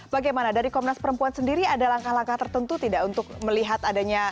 bagaimana dari komnas perempuan sendiri ada langkah langkah tertentu tidak untuk melihat adanya